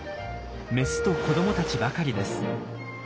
メスと子どもたちばかりです。